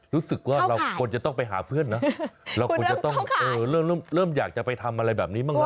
รู้สึกว่าเราควรจะต้องไปหาเพื่อนนะเริ่มอยากจะไปทำอะไรแบบนี้บ้างแล้ว